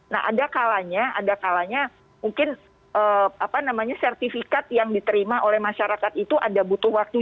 nah ada kalanya mungkin sertifikat yang diterima oleh masyarakat itu ada butuh waktu